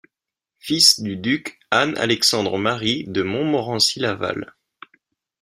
Fils du duc Anne-Alexandre-Marie de Montmorency-Laval.